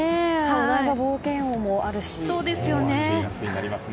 お台場冒険王もあるし。